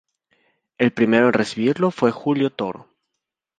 El primero en recibirlo fue Julio Toro.